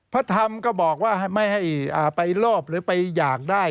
พระธรรมก็บอกว่าไม่ให้ไปลอบหรือไปอยากได้